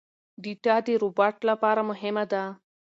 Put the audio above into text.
ډاټا د روباټ لپاره مهمه ده.